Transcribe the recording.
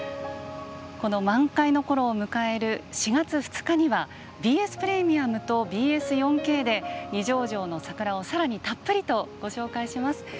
満開のころを迎える４月２日にはＢＳプレミアムとＢＳ４Ｋで二条城の桜をさらにたっぷりとご紹介します。